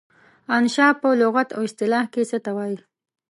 انشأ په لغت او اصطلاح کې څه ته وايي؟